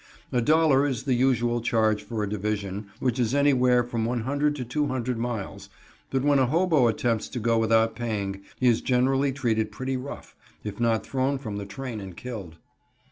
A dollar is the usual charge for a division, which is anywhere from one hundred to two hundred miles, but when a hobo attempts to go without paying, he is generally treated pretty rough, if not thrown from the train and killed.)